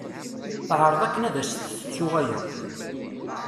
Teɛreḍ akken ad as-tessettu aya.